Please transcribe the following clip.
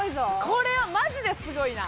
これはマジですごいな！